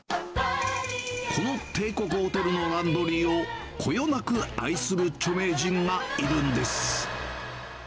この帝国ホテルのランドリーをこよなく愛する著名人がいるんです。